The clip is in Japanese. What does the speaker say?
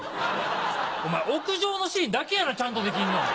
お前屋上のシーンだけやなちゃんとできんの。